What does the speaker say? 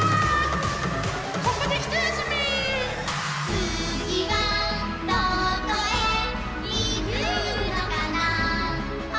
「つぎはどこへいくのかなほら」